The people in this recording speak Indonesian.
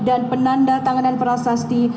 dan penanda tanganan prasasti